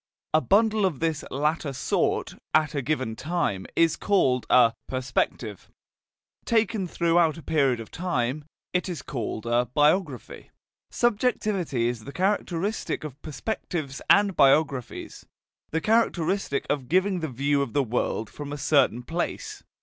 A bundle of this latter sort, at a given time, is called a "perspective"; taken throughout a period of time, it is called a "biography." Subjectivity is the characteristic of perspectives and biographies, the characteristic of giving the view of the world from a certain place.